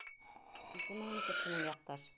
— Исемең нисек һинең, яҡташ?